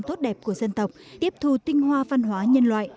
tốt đẹp của dân tộc tiếp thù tinh hoa văn hóa nhân loại